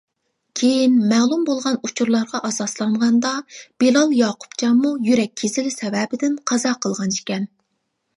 كېيىن مەلۇم بولغان ئۇچۇرلارغا ئاساسلانغاندا بىلال ياقۇپجانمۇ يۈرەك كېسىلى سەۋەبىدىن قازا قىلغان ئىكەن.